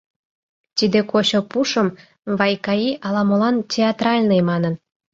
Тиде кочо пушым Вайкаи ала-молан «театральный» манын.